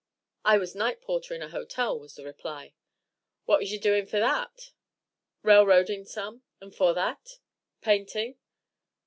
"I was night porter in a hotel," was the reply. "What was ye doin' 'fore that?" "Railroading some." "And 'fore that?" "Painting."